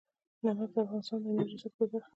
نمک د افغانستان د انرژۍ سکتور برخه ده.